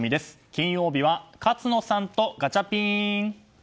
金曜日は勝野さんとガチャピン！